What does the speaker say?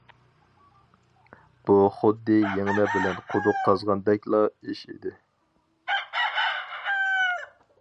بۇ خۇددى يىڭنە بىلەن قۇدۇق قازغاندەكلا ئىش ئىدى.